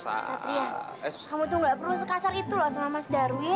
satria kamu tuh nggak perlu sekasar itu loh sama mas darwin